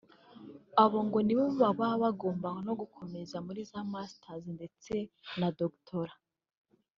Aba ngo ni bo baba bagomba no gukomeza muri za masters ndetse na doctorat